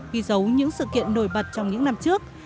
ghi dấu những sự kiện nổi bật trong những năm trước